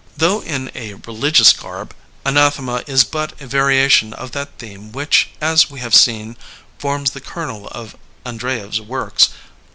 Though in a religious garb, Anathema is but a variation of that theme which, as we have seen, forms the kernel of Andreyev's works.